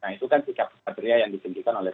nah itu kan sikap keteria yang disingkirkan oleh